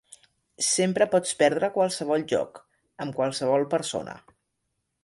Sempre pots perdre qualsevol joc, amb qualsevol persona.